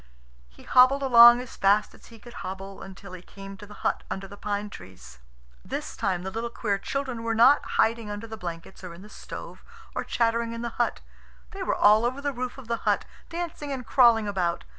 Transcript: He hobbled along as fast as he could hobble, until he came to the hut under the pine trees. This time the little queer children were not hiding under the blankets or in the stove, or chattering in the hut. They were all over the roof of the hut, dancing and crawling about.